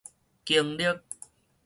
經歷